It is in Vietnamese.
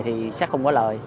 thì sẽ không có lời